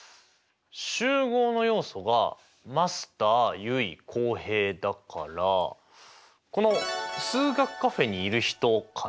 集合の要素がマスター結衣浩平だからこの数学カフェにいる人かな。